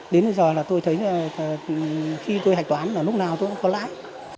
đến giờ tôi thấy khi tôi hạch toán là lúc nào tôi cũng có lãi